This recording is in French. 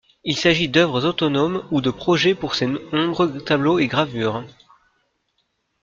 Il s'agit d'œuvres autonome ou de projets pour ses nombreux tableaux et gravures.